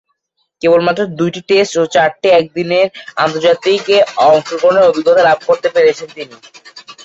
কেবলমাত্র দুইটি টেস্ট ও চারটি একদিনের আন্তর্জাতিকে অংশগ্রহণের অভিজ্ঞতা লাভ করতে পেরেছেন তিনি।